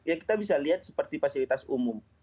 ya kita bisa lihat seperti fasilitas umum